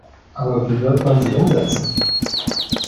Aber wie wird man sie umsetzen?